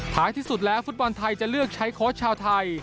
ที่สุดแล้วฟุตบอลไทยจะเลือกใช้โค้ชชาวไทย